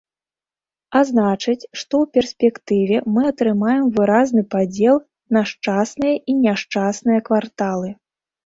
А значыць, што ў перспектыве мы атрымаем выразны падзел на шчасныя і няшчасныя кварталы.